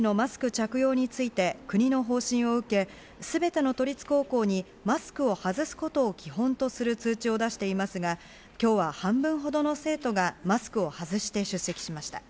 都は卒業式のマスク着用について国の方針を受け、全ての都立高校に、マスクを外すことを基本とする通知を出していますが、今日は半分ほどの生徒がマスクを外して出席しました。